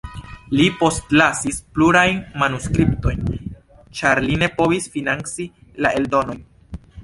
Li postlasis plurajn manuskriptojn, ĉar li ne povis financi la eldonojn.